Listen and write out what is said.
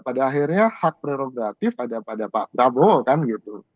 pada akhirnya hak prerogatif ada pada pak prabowo kan gitu